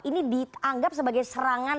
ini dianggap sebagai serangan